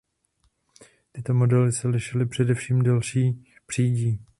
Tyto modely se lišily především delší přídí.